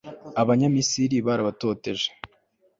abanyamisiri barabatoteje